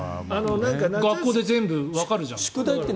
学校で全部わかるじゃんって。